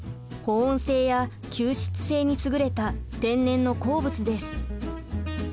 保温性や吸湿性にすぐれた天然の鉱物です。